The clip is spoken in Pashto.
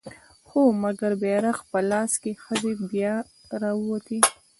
هو! مګر بيرغ په لاس که ښځې بيا راووتې